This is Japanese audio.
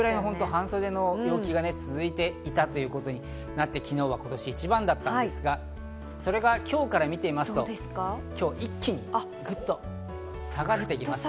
半袖で過ごせる陽気になっていて、昨日は今年一番だったんですが、それが今日から見てみますと、今日一気にグッと下がってきます。